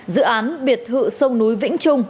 dự án biệt thự sông núi vĩnh trung